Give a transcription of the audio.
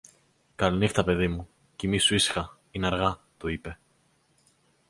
Καληνύχτα, παιδί μου, κοιμήσου ήσυχα, είναι αργά, του είπε.